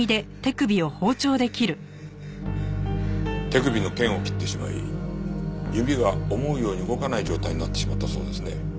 手首の腱を切ってしまい指が思うように動かない状態になってしまったそうですね。